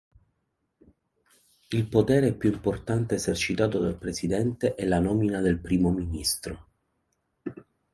Il potere più importante esercitato dal presidente è la nomina del primo ministro.